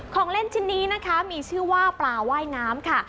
ของเล่นชิ้นนี้นะคะมีชื่อว่าปลาว่ายน้ำค่ะ